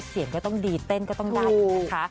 เสียงก็ต้องดีเต้นก็ต้องได้นะคะ